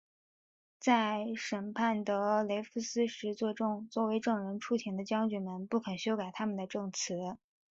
在审判德雷福斯时作为证人出庭的将军们不肯修改他们的证词。